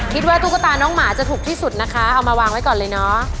ตุ๊กตาน้องหมาจะถูกที่สุดนะคะเอามาวางไว้ก่อนเลยเนอะ